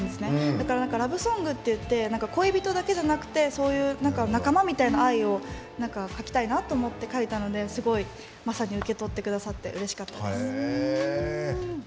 だからラブソングっていって恋人だけじゃなくて仲間みたいな愛を書きたいなと思って書いたのですごい、まさに受け取ってくださってうれしかったです。